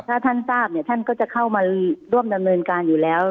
ถ้าท่านทราบเนี่ยท่านก็จะเข้ามาร่วมดำเนินการอยู่แล้ว